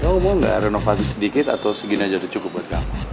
kamu mau nggak renovasi sedikit atau segini aja itu cukup buat kamu